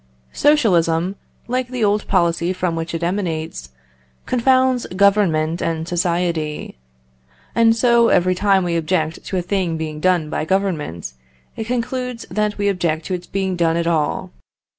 Socialism, like the old policy from which it emanates, confounds Government and society. And so, every time we object to a thing being done by Government, it concludes that we object to its being done at all.